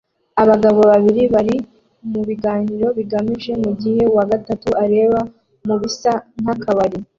Abagabo babiri bari mubiganiro bigamije mugihe uwagatatu areba mubisa nkakabari